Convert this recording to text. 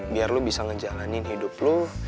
biar lu bisa ngejalanin hidup lo